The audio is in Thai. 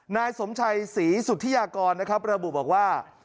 นายสมชัยศรีสุธิยากรนะครับระบุบอกว่า